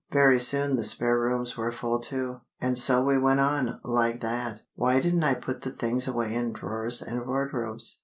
Very soon the spare rooms were full too. And so we went on like that! Why didn't I put the things away in drawers and wardrobes?